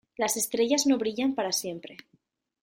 Las estrellas no brillan para siempre.